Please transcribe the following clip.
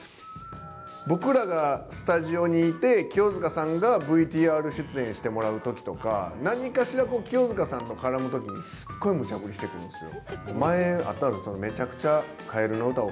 僕らがスタジオにいて清塚さんがＶＴＲ出演してもらうときとか何かしらこう清塚さんと絡むときに前あったんですよ。